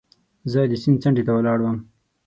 زه د سیند څنډې ته ولاړ وم.